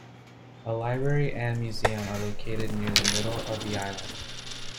A library and museum are located near the middle of the island.